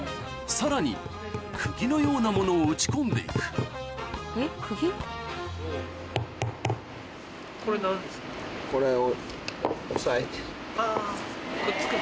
さらに釘のようなものを打ち込んで行くこれを。